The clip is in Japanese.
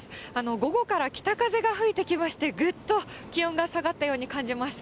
午後から北風が吹いてきまして、ぐっと気温が下がったように感じます。